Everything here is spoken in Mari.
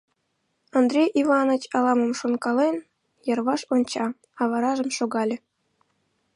Андрей Иваныч, ала-мом шонкален, йырваш онча, а варажым шогале.